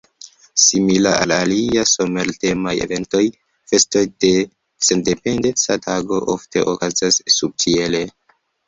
Simila al alia somer-temaj eventoj, festoj de Sendependeca Tago ofte okazas subĉiele.